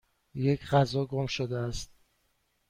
یک غذا گم شده است.